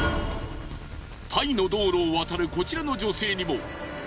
タイの道路を渡るこちらの女性にも。